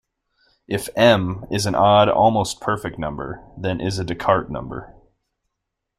If "m" is an odd almost perfect number then is a Descartes number.